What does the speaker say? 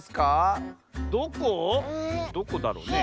どこだろうね？